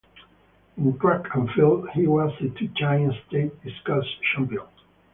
In track and field, he was a two-time State Discus Champion.